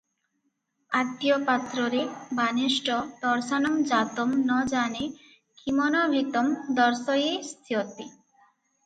'ଆଦ୍ୟ ପ୍ରାତରେବାନିଷ୍ଟ ଦର୍ଶନଂ ଜାତଂ ନ ଜାନେ କିମନଭିମତଂ ଦର୍ଶୟିଷ୍ୟତି ।'